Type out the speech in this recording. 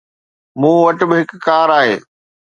مون وٽ هڪ ڪار آهي.